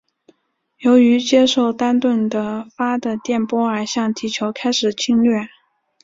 由于接受到丹顿的发的电波而向地球开始侵略。